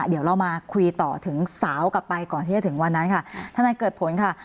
เดี๋ยวเรามาคุยต่อถึงสาวกลับไปก่อนที่จะถึงวันนั้นค่ะทนายเกิดผลค่ะ